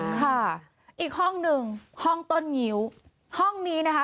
ค่ะอีกห้องหนึ่งห้องต้นงิ้วห้องนี้นะคะ